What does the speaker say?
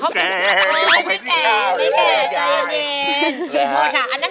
เขาเป็นแก่ไม่แก่ใจเย็น